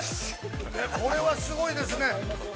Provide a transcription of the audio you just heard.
これはすごいですね。